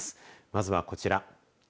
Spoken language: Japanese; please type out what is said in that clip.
まずはこちら。